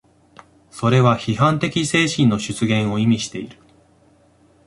それは批判的精神の出現を意味している。